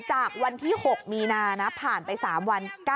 จากวันที่๖มีนานะผ่านไป๓วัน